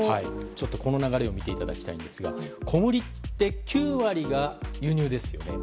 ちょっと、この流れを見ていただきたいんですが小麦って９割が輸入ですよね。